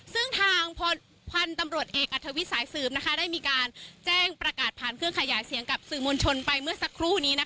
ซึ่งทางพันธุ์ตำรวจเอกอัธวิทย์สายสืบได้มีการแจ้งประกาศผ่านเครื่องขยายเสียงกับสื่อมวลชนไปเมื่อสักครู่นี้